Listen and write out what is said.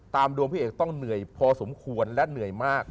ดวงพี่เอกต้องเหนื่อยพอสมควรและเหนื่อยมาก